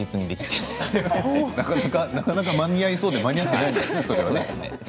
なかなか間に合いそうで間に合っていないですね。